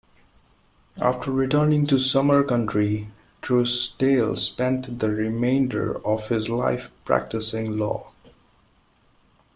After returning to Sumner County, Trousdale spent the remainder of his life practicing law.